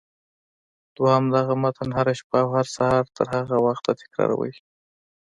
دويم دغه متن هره شپه او هر سهار تر هغه وخته تکراروئ.